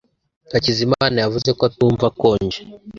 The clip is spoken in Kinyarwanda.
Hakizimana yavuze ko atumva akonje.